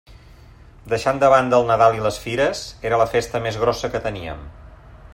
Deixant de banda el Nadal i les Fires, era la festa més grossa que teníem.